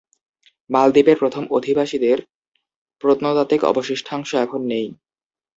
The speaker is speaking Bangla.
মালদ্বীপের প্রথম অধিবাসীদের প্রত্নতাত্ত্বিক অবশিষ্টাংশ এখন নেই।